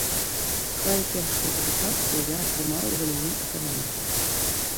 Хай першую адукацыю я атрымаю ў галіне эканомікі.